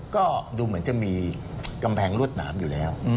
ก็ดูเหมือนจะมีกำแพงรวดหนามอยู่แล้ว